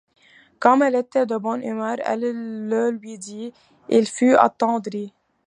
Comme elle était de bonne humeur, elle le lui dit ; il fut attendri.